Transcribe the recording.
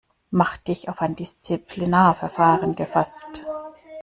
Mach dich auf ein Disziplinarverfahren gefasst.